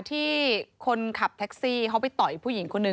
ที่คนขับแท็กซี่เขาไปต่อยผู้หญิงคนหนึ่ง